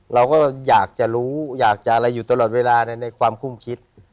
เราก็อยากจะรู้อยากจะอะไรอยู่ตลอดเวลาในความคุ้มคิด